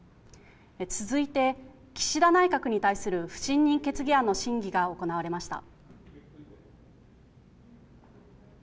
続いて、岸田内閣に対する不信任決議案の審議が行われました。